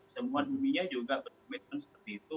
semua dunia juga punya komitmen seperti ini